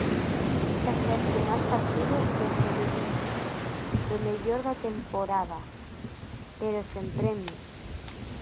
Excepcional partido dos sevillistas, do mellor da temporada, pero sen premio.